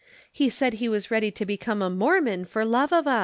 He said he was ready to become a Mormon for love of us."